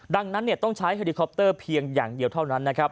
ดังนั้นต้องใช้เฮลิคอปเตอร์เพียงอย่างเดียวเท่านั้นนะครับ